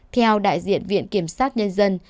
theo đại diện viện kiểm sát nhân dân